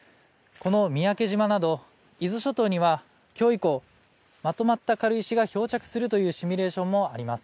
この三宅島など伊豆諸島にはきょう以降、まとまった軽石が漂着するというシミュレーションもあります。